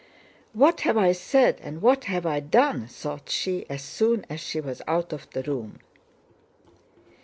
"What have I said and what have I done?" thought she, as soon as she was out of the room.